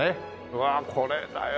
うわっこれだよ。